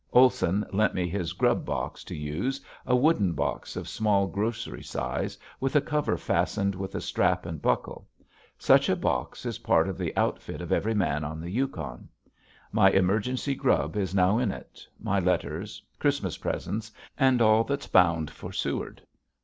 Olson lent me his "grub box" to use, a wooden box of small grocery size with a cover fastened with a strap and buckle. Such a box is part of the outfit of every man on the Yukon. My emergency grub is now in it, my letters, Christmas presents, and all that's bound for Seward.